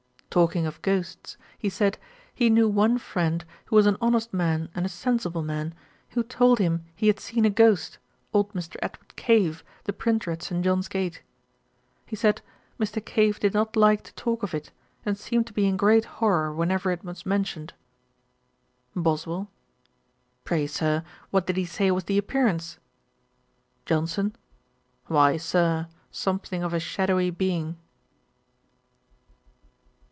Talking of ghosts, he said, he knew one friend, who was an honest man and a sensible man, who told him he had seen a ghost, old Mr. Edward Cave, the printer at St. John's Gate. He said, Mr. Cave did not like to talk of it, and seemed to be in great horrour whenever it was mentioned. BOSWELL. 'Pray, Sir, what did he say was the appearance?' JOHNSON. 'Why, Sir, something of a shadowy being.'